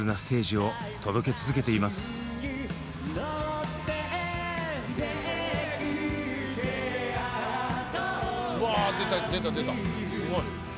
すごい！